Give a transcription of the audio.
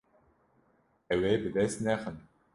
Ew ê bi dest nexin.